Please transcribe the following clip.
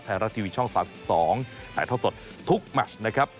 ไทยรัฐทีวีช่อง๓๒ถ่ายท่อสดทุกแมชนะครับ